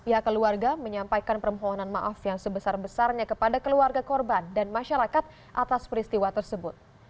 pihak keluarga menyampaikan permohonan maaf yang sebesar besarnya kepada keluarga korban dan masyarakat atas peristiwa tersebut